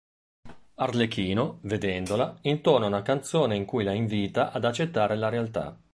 Arlecchino, vedendola, intona una canzone in cui la invita ad accettare la realtà.